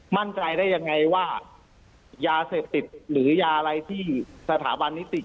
มั่นใจได้ยังไงว่ายาเสพติดหรือยาอะไรที่สถาบันนิติ